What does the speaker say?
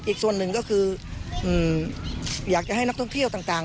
อีกส่วนหนึ่งก็คืออยากจะให้นักท่องเที่ยวต่าง